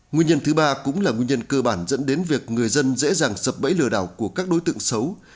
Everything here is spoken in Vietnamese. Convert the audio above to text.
nguyên nhân thứ ba cũng là nguyên nhân cơ bản dẫn đến việc người dân dễ dàng sập bẫy lừa đảo của các đối tượng xấu